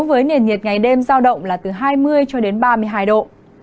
với nền nhiệt ngày đêm giao động là từ hai mươi cho đến ba mươi hai độ